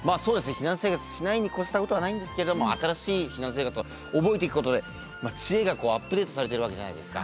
避難生活しないに越したことはないんですけれども新しい避難生活を覚えていくことで知恵がアップデートされてるわけじゃないですか。